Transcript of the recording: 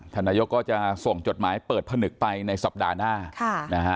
นายกก็จะส่งจดหมายเปิดผนึกไปในสัปดาห์หน้านะฮะ